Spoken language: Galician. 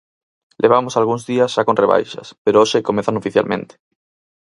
Levamos algúns días xa con rebaixas, pero hoxe comezan oficialmente.